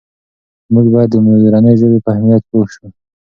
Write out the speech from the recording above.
موږ باید د مورنۍ ژبې په اهمیت پوه سو.